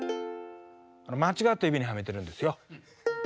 間違った指にはめてるんですよ。